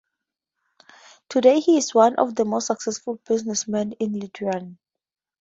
Today, he is one of the most successful businessmen in Lithuania.